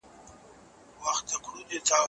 علمي کنفرانسونه د تجربو د شريکولو لاره ده.